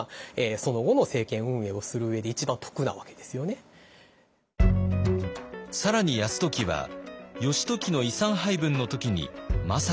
更に泰時は義時の遺産配分の時に政子を驚かせます。